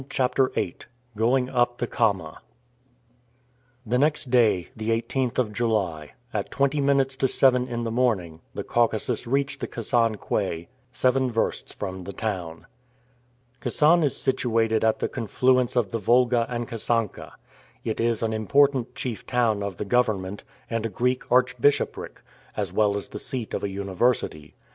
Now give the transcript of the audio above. CHAPTER VIII GOING UP THE KAMA THE next day, the 18th of July, at twenty minutes to seven in the morning, the Caucasus reached the Kasan quay, seven versts from the town. Kasan is situated at the confluence of the Volga and Kasanka. It is an important chief town of the government, and a Greek archbishopric, as well as the seat of a university.